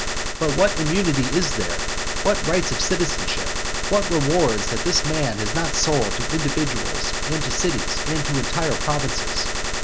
But what immunity is there, what rights of citizenship, what rewards that this man has not sold to individuals, and to cities, and to entire provinces?